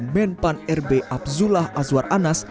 menpan r b abzullah azwar anas